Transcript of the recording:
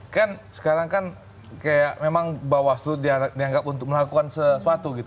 kan sekarang kan kayak memang bawaslu dianggap untuk melakukan sesuatu gitu